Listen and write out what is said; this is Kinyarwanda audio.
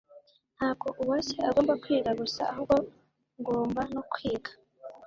Ntabwo Uwase agomba kwiga gusa ahubwo ngomba no kwiga